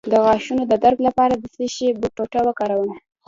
د غاښونو د درد لپاره د څه شي ټوټه وکاروم؟